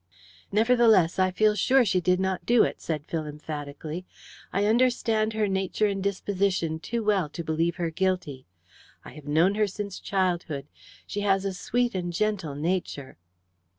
"Nevertheless, I feel sure she did not do it," said Phil emphatically. "I understand her nature and disposition too well to believe her guilty. I have known her since childhood. She has a sweet and gentle nature."